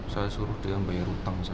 saya suruh dia bayar utang saya